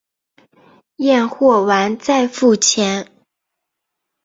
验货完再付钱